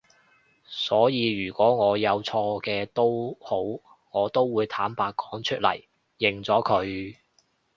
所以如果我有錯嘅都好我都會坦白講出嚟，認咗佢